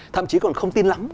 thậm chí còn không tin lắm